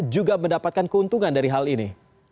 juga mendapatkan keuntungan dari hal ini